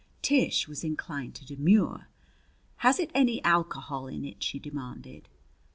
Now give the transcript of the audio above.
Tish was inclined to demur. "Has it any alcohol in it?" she demanded.